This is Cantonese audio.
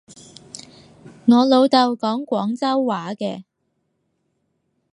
我老豆講廣州話嘅